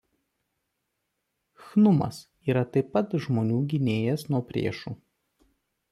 Chnumas yra taip pat žmonių gynėjas nuo priešų.